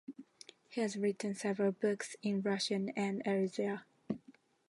He has written several books in Russian and Erzya.